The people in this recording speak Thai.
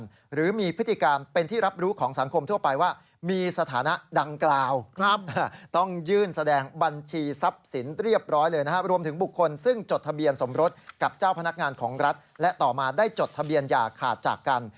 เจ้าพนักงานของรัฐและต่อมาได้จดทะเบียนหย่าขาดจากกัน